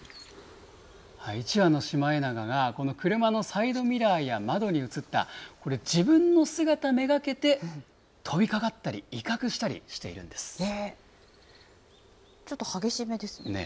１羽のシマエナガがこの車のサイドミラーや窓に映った、これ自分の姿めがけて、飛びかかったり、ちょっと激しめですね。